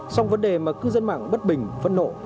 xong vấn đề mà cư dân mạng bất bình phân nộ